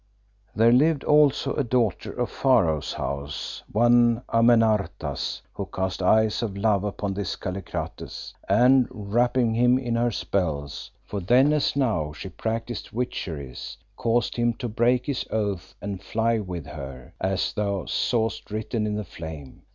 "There lived also a daughter of Pharaoh's house, one Amenartas, who cast eyes of love upon this Kallikrates, and, wrapping him in her spells for then as now she practised witcheries caused him to break his oaths and fly with her, as thou sawest written in the flame.